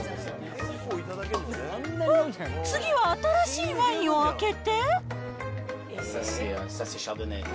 あっ、次は新しいワインを開けて？